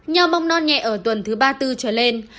nho bong non nhẹ ở tuần thứ ba mươi bốn trở lên